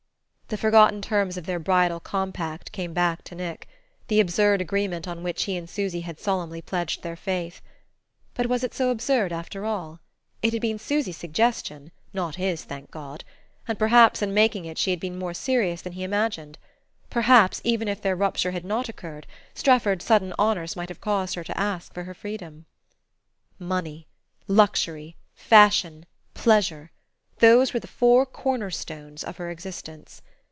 The forgotten terms of their bridal compact came back to Nick: the absurd agreement on which he and Susy had solemnly pledged their faith. But was it so absurd, after all? It had been Susy's suggestion (not his, thank God!); and perhaps in making it she had been more serious than he imagined. Perhaps, even if their rupture had not occurred, Strefford's sudden honours might have caused her to ask for her freedom.... Money, luxury, fashion, pleasure: those were the four cornerstones of her existence.